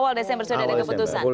awal desember sudah ada keputusan